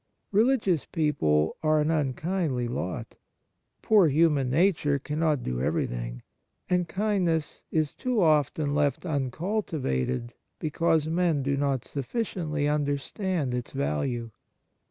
Religious people are an unkindly lot. Poor human nature cannot do every thing ; and kindness is too often left un cultivated because men do not sufficiently understand its value.